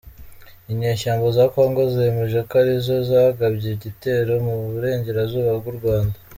Inyeshyamba za congo zemeje ko ari zo yagabye igitero mu Burengerazuba bw’u Rwanda